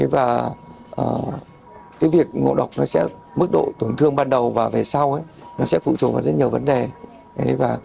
việc ngộ độc sẽ mức độ tổn thương ban đầu và về sau sẽ phụ trụ vào rất nhiều vấn đề